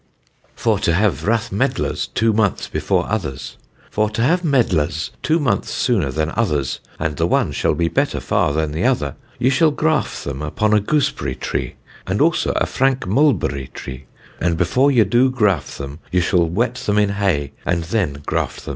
FOR TO HAVE RATH MEDLARS TWO MONTHS BEFORE OTHERS. For to have Medlars two months sooner than others and the one shall be better far than the other, ye shall graffe them upon a gooseberry tree, and also a franke mulberry tree, and before ye do graffe them, ye shall wet them in hay, and then graffe them.